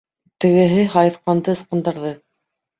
Тегеһе һайыҫҡанды ысҡындырҙы.